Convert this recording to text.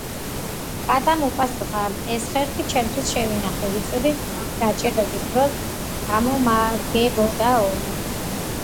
კატამ უპასუხა: ეს ხერხი ჩემთვის შევინახე, ვიცოდი გაჭირვების დროს გამომადგებოდაო.